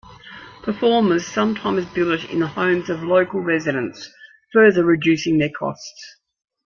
Performers sometimes billet in the homes of local residents, further reducing their costs.